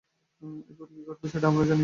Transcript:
এরপরে কী ঘটবে সেটা আমরা জানি!